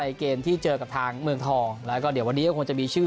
เกมที่เจอกับทางเมืองทองแล้วก็เดี๋ยววันนี้ก็คงจะมีชื่อ